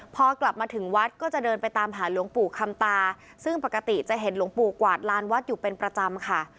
พอกลับมาถึงวัดก็จะเดินไปตามหาหลวงปู่คำตาซึ่งปกติจะเห็นหลวงปู่กวาดลานวัดอยู่เป็นประจำค่ะ